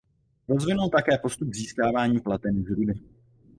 Rozvinul také postup získávání platiny z rudy.